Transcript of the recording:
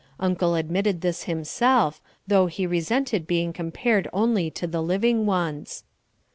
Uncle admitted this himself, though he resented being compared only to the living ones.